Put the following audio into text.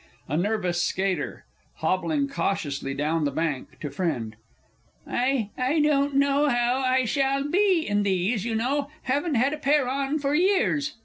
_ A NERVOUS SKATER (hobbling cautiously down the bank to Friend). I I don't know how I shall be in these, you know haven't had a pair on for years.